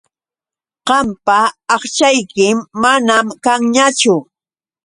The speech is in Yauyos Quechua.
Qampa aqchaykim manam kanñachu.